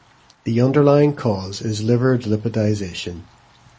The underlying cause is liver delipidization.